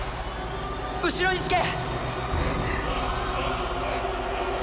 後ろにつけ！